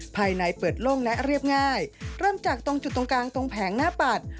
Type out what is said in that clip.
ภายในเปิดโล่งและเรียบง่ายเริ่มจากตรงจุดตรงกลางตรงแผงหน้าปัด